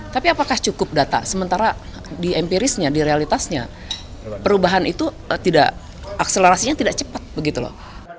tapi apakah cukup data sementara di empirisnya di realitasnya perubahan itu tidak akselerasinya tidak cepat begitu loh